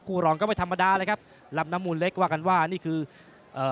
รองก็ไม่ธรรมดาเลยครับลำน้ำมูลเล็กว่ากันว่านี่คือเอ่อ